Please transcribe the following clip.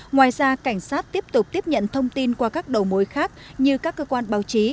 ngoài ra cảnh sát tiếp tục tiếp nhận thông tin qua các đầu mối khác như các cơ quan báo chí